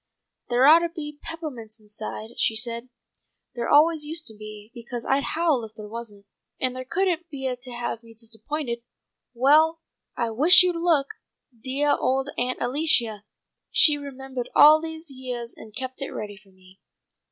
"There ought to be peppahmints inside," she said. "There always used to be, because I'd howl if there wasn't, and they couldn't beah to have me disappointed. Well, I wish you'd look! Deah old Aunt Alicia! She's remembahed all these yeahs and kept it ready for me."